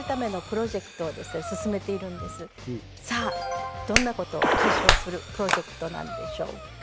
さぁどんなことを解消するプロジェクトなんでしょうか？